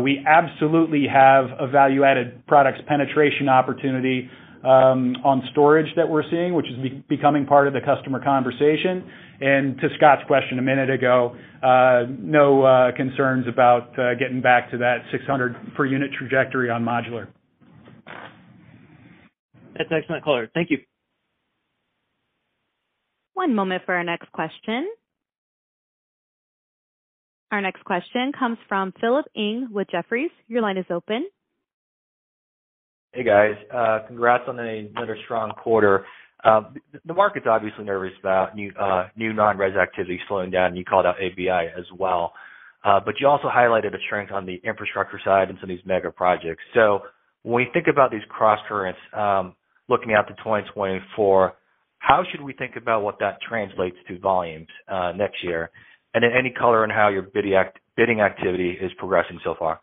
We absolutely have a value-added products penetration opportunity on storage that we're seeing, which is becoming part of the customer conversation. To Scott's question a minute ago, no concerns about getting back to that 600 per unit trajectory on modular. That's excellent color. Thank you. One moment for our next question. Our next question comes from Philip Ng with Jefferies. Your line is open. Hey, guys. Congrats on another strong quarter. The market's obviously nervous about new, new non-res activity slowing down. You called out ABI as well, but you also highlighted a strength on the infrastructure side and some of these mega projects. When we think about these cross currents, looking out to 2024, how should we think about what that translates to volumes, next year? Then any color on how your bidding activity is progressing so far?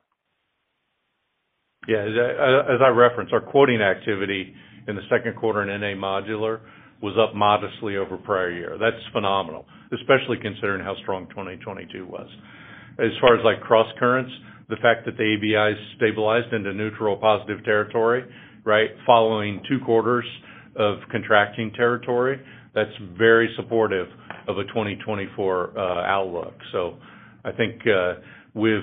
Yeah, as I, as I referenced, our quoting activity in the Q2 in NA Modular was up modestly over prior year. That's phenomenal, especially considering how strong 2022 was. As far as, like, crosscurrents, the fact that the ABI is stabilized into neutral, positive territory, right? Following 2 quarters of contracting territory, that's very supportive of a 2024 outlook. I think we've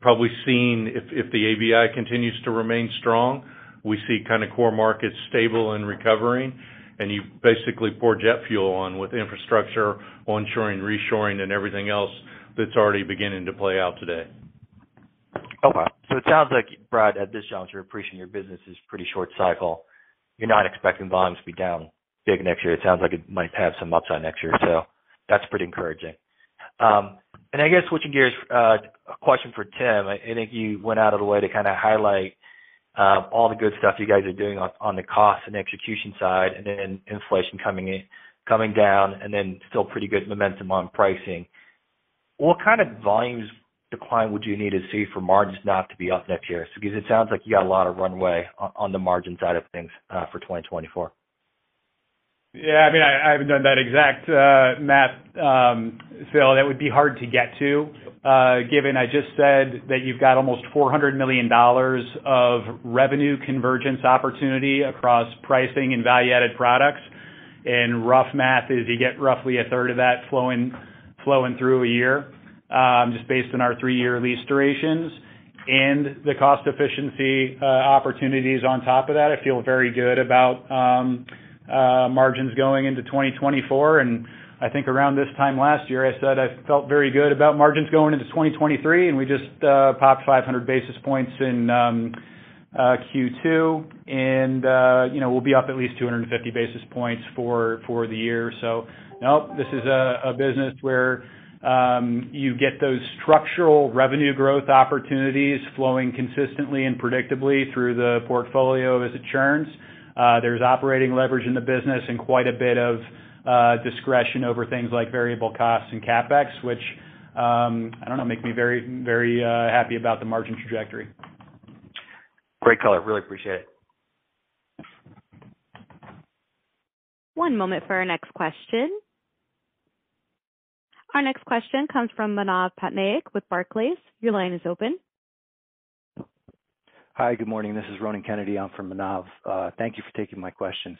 probably seen if, if the ABI continues to remain strong, we see kind of core markets stable and recovering, and you basically pour jet fuel on with infrastructure, onshoring, reshoring, and everything else that's already beginning to play out today. It sounds like, Brad, at this juncture, appreciating your business is pretty short cycle. You're not expecting volumes to be down big next year. It sounds like it might have some upside next year, so that's pretty encouraging. I guess switching gears, a question for Tim. I, I think you went out of the way to kinda highlight all the good stuff you guys are doing on, on the cost and execution side, and then inflation coming down, and then still pretty good momentum on pricing. What kind of volumes decline would you need to see for margins not to be up next year? Because it sounds like you got a lot of runway on, on the margin side of things, for 2024. Yeah, I mean, I, I haven't done that exact math. That would be hard to get to given I just said that you've got almost $400 million of revenue convergence opportunity across pricing and value-added products. rough math is, you get roughly a third of that flowing, flowing through a year, just based on our 3-year lease durations and the cost efficiency opportunities on top of that. I feel very good about margins going into 2024, and I think around this time last year, I said I felt very good about margins going into 2023, and we just popped 500 basis points in Q2. you know, we'll be up at least 250 basis points for, for the year. Nope, this is a business where you get those structural revenue growth opportunities flowing consistently and predictably through the portfolio as it churns. There's operating leverage in the business and quite a bit of discretion over things like variable costs and CapEx, which, I don't know, make me very, very happy about the margin trajectory. Great color. Really appreciate it. One moment for our next question. Our next question comes from Manav Patnaik with Barclays. Your line is open. Hi, good morning. This is Ronan Kennedy in for Manav. Thank you for taking my questions.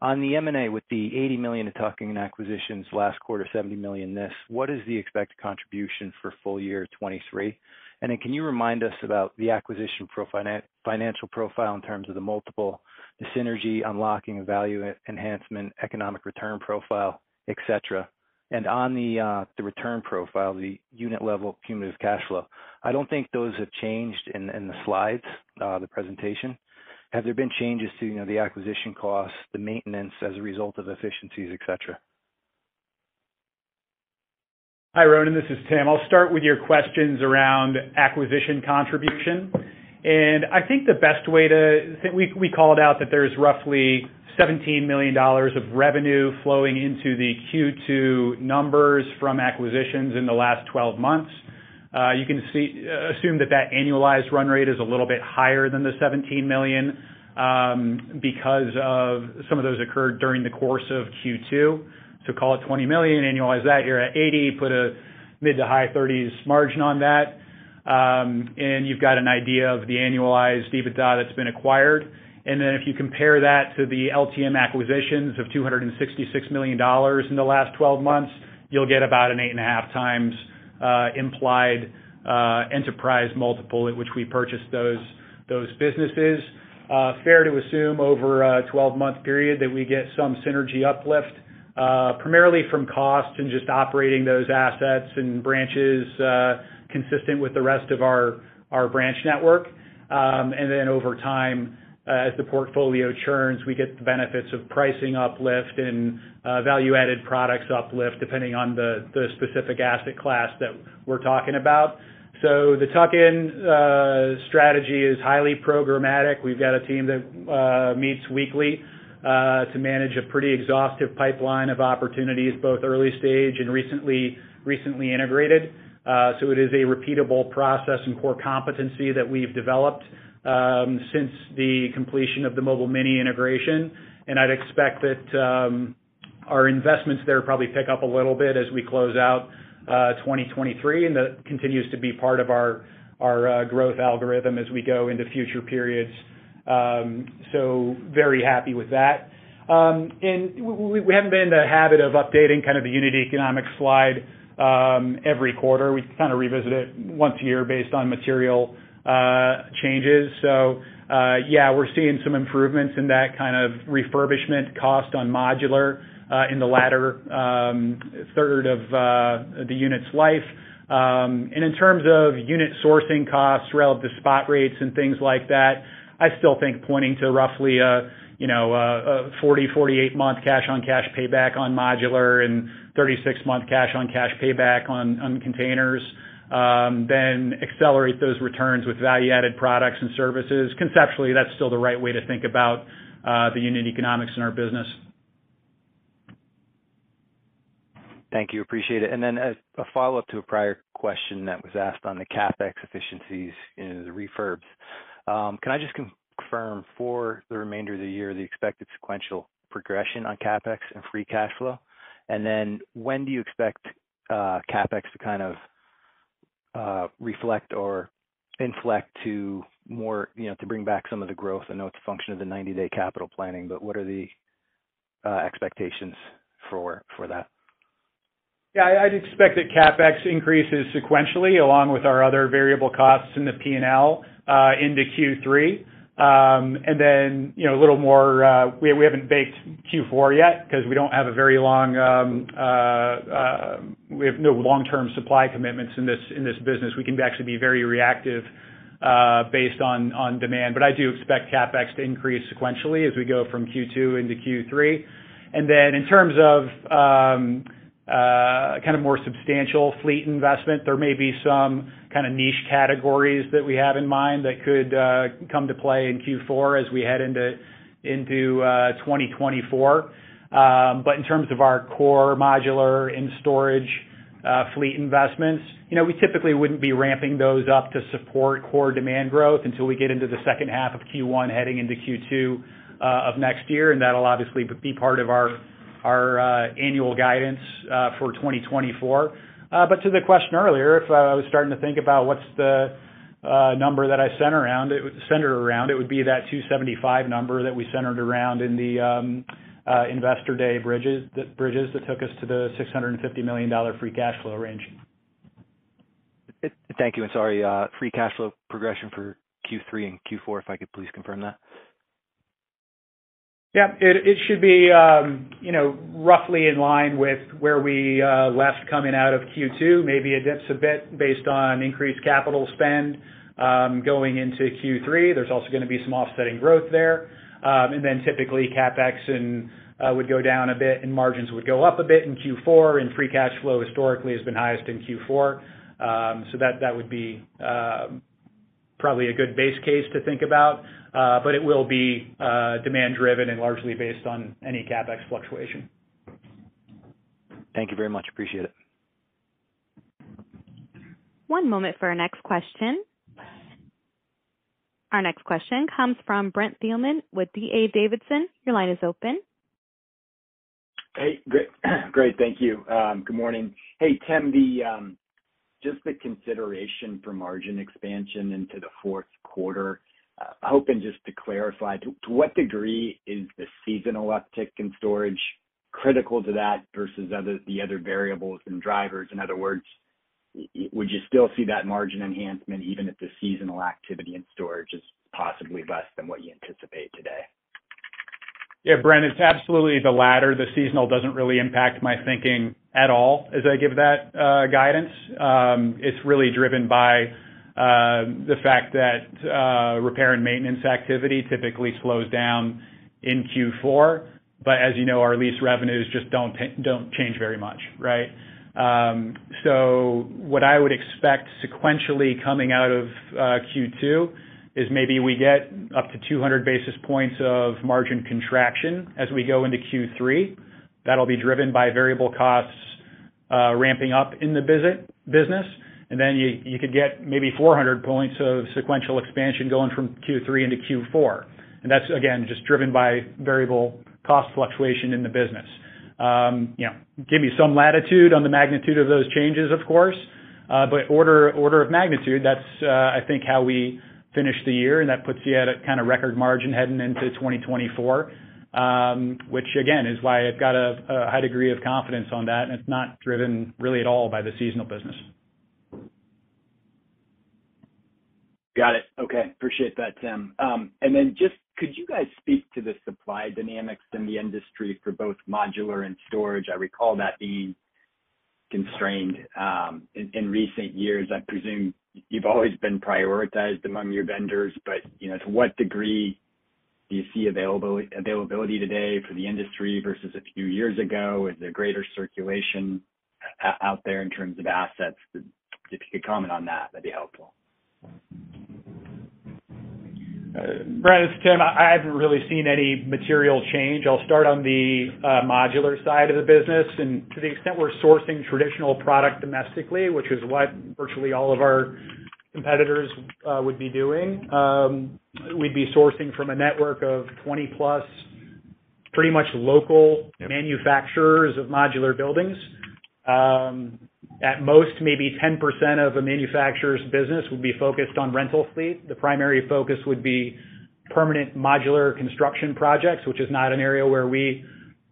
On the M&A, with the $80 million in tuck-in acquisitions last quarter, $70 million this, what is the expected contribution for full year 2023? Can you remind us about the acquisition financial profile in terms of the multiple, the synergy, unlocking value enhancement, economic return profile, et cetera? On the return profile, the unit level cumulative cash flow, I don't think those have changed in the slides, the presentation. Have there been changes to, you know, the acquisition costs, the maintenance as a result of efficiencies, et cetera? Hi, Ronan, this is Tim. I'll start with your questions around acquisition contribution. I think the best way we called out that there's roughly $17 million of revenue flowing into the Q2 numbers from acquisitions in the last 12 months. You can assume that annualized run rate is a little bit higher than the $17 million because of some of those occurred during the course of Q2. Call it $20 million, annualize that, you're at $80 million. Put a mid to high 30s margin on that, and you've got an idea of the annualized EBITDA that's been acquired. If you compare that to the LTM acquisitions of $266 million in the last 12 months, you'll get about an 8.5 times implied enterprise multiple at which we purchased those businesses. Fair to assume over a 12-month period that we get some synergy uplift, primarily from cost and just operating those assets and branches, consistent with the rest of our branch network. Over time, as the portfolio churns, we get the benefits of pricing uplift and value-added products uplift, depending on the specific asset class that we're talking about. The tuck-in strategy is highly programmatic. We've got a team that meets weekly to manage a pretty exhaustive pipeline of opportunities, both early stage and recently integrated. It is a repeatable process and core competency that we've developed since the completion of the Mobile Mini integration. I'd expect that our investments there probably pick up a little bit as we close out 2023, and that continues to be part of our, our growth algorithm as we go into future periods. Very happy with that. We, we haven't been in the habit of updating kind of the unit economics slide every quarter. We kind of revisit it once a year based on material changes. Yeah, we're seeing some improvements in that kind of refurbishment cost on modular in the latter third of the unit's life. In terms of unit sourcing costs relative to spot rates and things like that, I still think pointing to roughly a, you know, a 40, 48-month cash-on-cash payback on modular and 36-month cash-on-cash payback on containers, then accelerate those returns with value-added products and services. Conceptually, that's still the right way to think about the unit economics in our business. Thank you. Appreciate it. As a follow-up to a prior question that was asked on the CapEx efficiencies and the refurbs, can I just confirm for the remainder of the year, the expected sequential progression on CapEx and Free Cash Flow? When do you expect CapEx to reflect or inflect to more, you know, to bring back some of the growth. I know it's a function of the 90-day capital planning, but what are the expectations for that? Yeah, I'd expect that CapEx increases sequentially, along with our other variable costs in the P&L, into Q3. Then, you know, a little more, we, we haven't baked Q4 yet, 'cause we don't have a very long, we have no long-term supply commitments in this, in this business. We can actually be very reactive, based on, on demand. I do expect CapEx to increase sequentially as we go from Q2 into Q3. Then, in terms of, kind of more substantial fleet investment, there may be some kind of niche categories that we have in mind that could, come to play in Q4 as we head into, into, 2024. But in terms of our core modular and storage, fleet investments, you know, we typically wouldn't be ramping those up to support core demand growth until we get into the second half of Q1, heading into Q2 of next year, and that'll obviously be part of our, our annual guidance for 2024. But to the question earlier, if I was starting to think about what's the number that I center around, centered around, it would be that $275 number that we centered around in the Investor Day bridges, the bridges that took us to the $650 million Free Cash Flow range. Thank you, sorry, Free Cash Flow progression for Q3 and Q4, if I could please confirm that? Yeah, it, it should be, you know, roughly in line with where we left coming out of Q2, maybe it dips a bit based on increased capital spend going into Q3. There's also gonna be some offsetting growth there. Typically, CapEx would go down a bit, and margins would go up a bit in Q4, and Free Cash Flow historically has been highest in Q4. That, that would be probably a good base case to think about, but it will be demand driven and largely based on any CapEx fluctuation. Thank you very much. Appreciate it. One moment for our next question. Our next question comes from Brent Thielman with D.A. Davidson. Your line is open. Hey, great. Great, thank you. Good morning. Hey, Tim, the, just the consideration for margin expansion into the Q4, hoping just to clarify, to, to what degree is the seasonal uptick in storage critical to that versus other- the other variables and drivers? In other words, would you still see that margin enhancement, even if the seasonal activity in storage is possibly less than what you anticipate today? Yeah, Brent, it's absolutely the latter. The seasonal doesn't really impact my thinking at all, as I give that guidance. It's really driven by the fact that repair and maintenance activity typically slows down in Q4. As you know, our lease revenues just don't don't change very much, right? So what I would expect sequentially coming out of Q2, is maybe we get up to 200 basis points of margin contraction as we go into Q3. That'll be driven by variable costs ramping up in the business, then you, you could get maybe 400 points of sequential expansion going from Q3 into Q4. That's, again, just driven by variable cost fluctuation in the business. You know, give you some latitude on the magnitude of those changes, of course, but order, order of magnitude, that's, I think how we finish the year, and that puts you at a kind of record margin heading into 2024. Which again, is why I've got a, a high degree of confidence on that, and it's not driven really at all by the seasonal business. Got it. Okay, appreciate that, Tim. Then just could you guys speak to the supply dynamics in the industry for both modular and storage? I recall that being constrained in recent years. I presume you've always been prioritized among your vendors, but, you know, to what degree do you see availability today for the industry versus a few years ago? Is there greater circulation out there in terms of assets? If you could comment on that, that'd be helpful. Brent, it's Tim. I, I haven't really seen any material change. I'll start on the modular side of the business, and to the extent we're sourcing traditional product domestically, which is what virtually all of our competitors would be doing, we'd be sourcing from a network of 20-plus, pretty much local- Yeah Manufacturers of modular buildings. At most, maybe 10% of a manufacturer's business would be focused on rental fleet. The primary focus would be permanent modular construction projects, which is not an area where we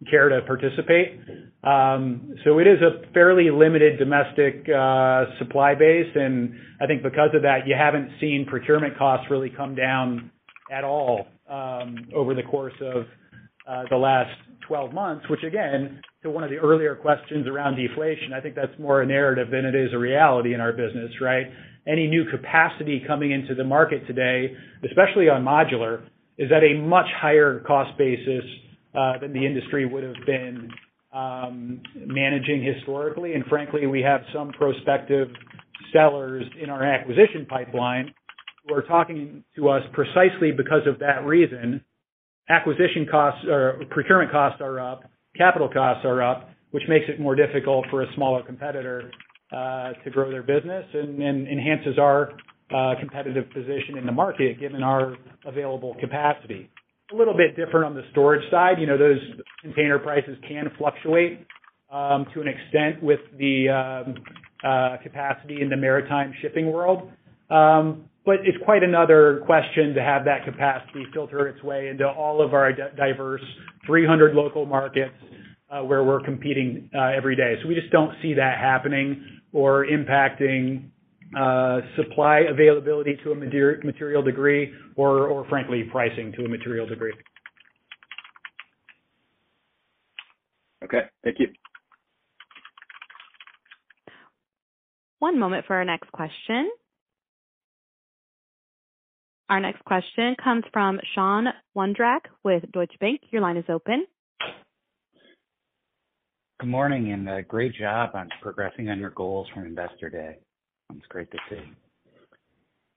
care to participate. So it is a fairly limited domestic supply base. I think because of that, you haven't seen procurement costs really come down at all over the course of the last 12 months, which again, to one of the earlier questions around deflation, I think that's more a narrative than it is a reality in our business, right? Any new capacity coming into the market today, especially on modular, is at a much higher cost basis than the industry would have been managing historically. Frankly, we have some prospective sellers in our acquisition pipeline, who are talking to us precisely because of that reason. Acquisition costs or procurement costs are up, capital costs are up, which makes it more difficult for a smaller competitor to grow their business and enhances our competitive position in the market, given our available capacity. A little bit different on the storage side. You know, those container prices can fluctuate to an extent with the capacity in the maritime shipping world. It's quite another question to have that capacity filter its way into all of our diverse, 300 local markets, where we're competing every day. We just don't see that happening or impacting supply availability to a material degree or, or frankly, pricing to a material degree. Okay, thank you. One moment for our next question. Our next question comes from Sean Wondrack with Deutsche Bank. Your line is open. Good morning. Great job on progressing on your goals from Investor Day. It's great to see.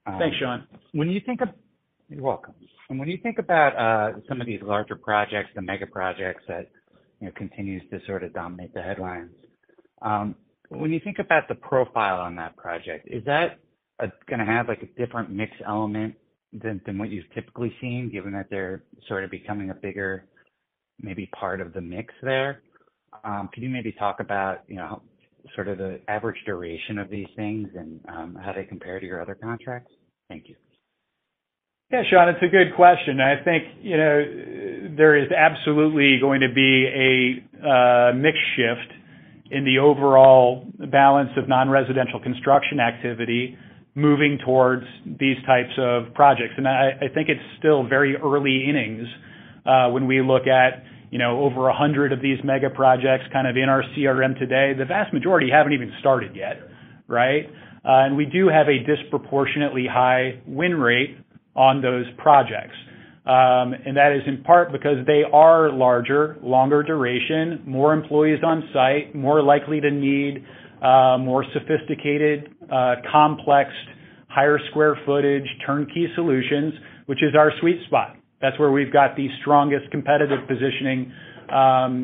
Thanks, Sean. You're welcome. When you think about some of these larger projects, the mega projects, that, you know, continues to sort of dominate the headlines. When you think about the profile on that project, is that gonna have, like, a different mix element than, than what you've typically seen, given that they're sort of becoming a bigger, maybe part of the mix there? Could you maybe talk about, you know, sort of the average duration of these things and how they compare to your other contracts? Thank you. Yeah, Sean, it's a good question. I think, you know, there is absolutely going to be a mix shift in the overall balance of non-residential construction activity moving towards these types of projects. I, I think it's still very early innings, when we look at, you know, over 100 of these mega projects kind of in our CRM today. The vast majority haven't even started yet, right? We do have a disproportionately high win rate on those projects. That is in part because they are larger, longer duration, more employees on site, more likely to need more sophisticated, complex, higher square footage, turnkey solutions, which is our sweet spot. That's where we've got the strongest competitive positioning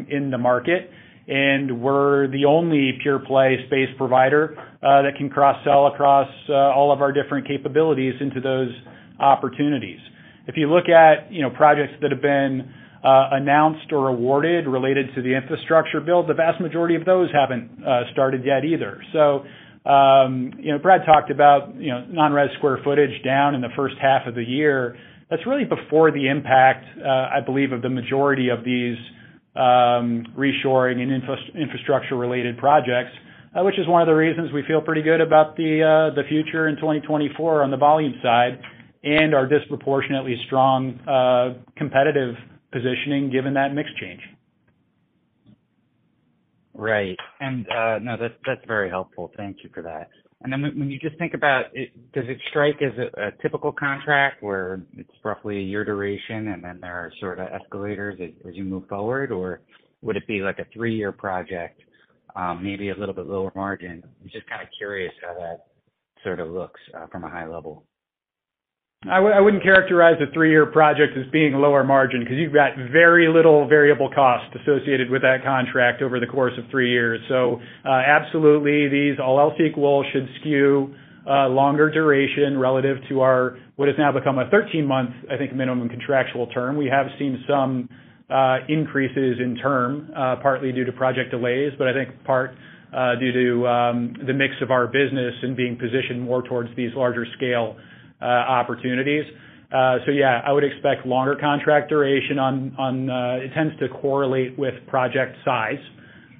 in the market, and we're the only pure play space provider that can cross-sell across all of our different capabilities into those opportunities. If you look at, you know, projects that have been announced or awarded related to the Infrastructure Bill, the vast majority of those haven't started yet either. You know, Brad talked about, you know, non-res square footage down in the first half of the year. That's really before the impact, I believe, of the majority of these reshoring and infrastructure-related projects, which is one of the reasons we feel pretty good about the future in 2024 on the volume side, and our disproportionately strong competitive positioning, given that mix change. Right. No, that's, that's very helpful. Thank you for that. Then when, when you just think about it, does it strike as a, a typical contract where it's roughly a 1 year duration, and then there are sort of escalators as, as you move forward? Would it be like a 3-year project, maybe a little bit lower margin? I'm just kind of curious how that sort of looks from a high level. I wouldn't characterize the 3-year project as being lower margin, because you've got very little variable cost associated with that contract over the course of 3 years. Absolutely, these, all else equal, should skew longer duration relative to our what has now become a 13-month, I think, minimum contractual term. We have seen some increases in term partly due to project delays, but I think part due to the mix of our business and being positioned more towards these larger scale opportunities. Yeah, I would expect longer contract duration on. It tends to correlate with project size.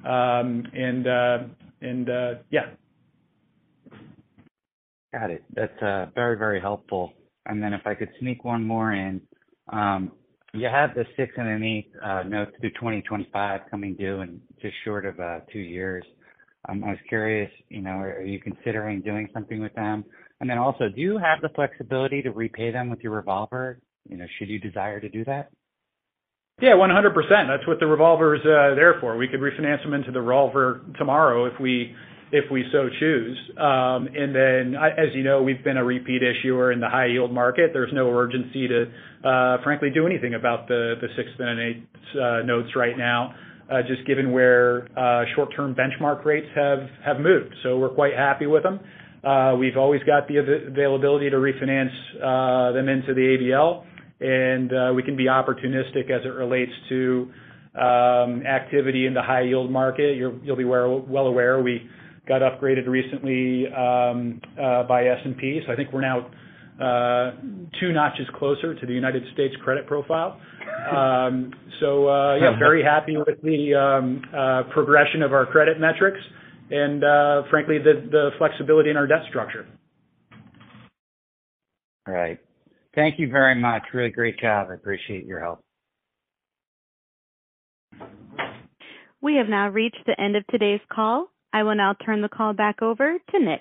And, yeah. Got it. That's very, very helpful. Then if I could sneak one more in. You have the six and an eighth notes through 2025 coming due and just short of 2 years. I was curious, you know, are, are you considering doing something with them? Then also, do you have the flexibility to repay them with your revolver, you know, should you desire to do that? Yeah, 100%. That's what the revolver is there for. We could refinance them into the revolver tomorrow if we, if we so choose. Then as you know, we've been a repeat issuer in the high yield market. There's no urgency to frankly, do anything about the six and an eight notes right now, just given where short-term benchmark rates have, have moved. We're quite happy with them. We've always got the availability to refinance them into the ABL, and we can be opportunistic as it relates to activity in the high yield market. You'll be well, well aware we got upgraded recently by S&P. I think we're now two notches closer to the United States credit profile. Yeah, very happy with the progression of our credit metrics and, frankly, the flexibility in our debt structure. All right. Thank you very much. Really great job. I appreciate your help. We have now reached the end of today's call. I will now turn the call back over to Nick.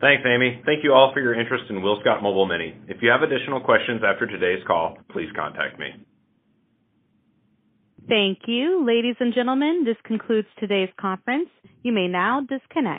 Thanks, Amy. Thank you all for your interest in WillScot Mobile Mini. If you have additional questions after today's call, please contact me. Thank you. Ladies and gentlemen, this concludes today's conference. You may now disconnect.